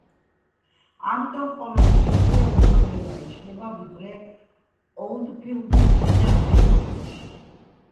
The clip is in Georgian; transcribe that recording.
ამიტომ, ყოველი სექცია უფრო ნელა იშლება, ვიდრე ოლდფილდის წინა ნაშრომებში.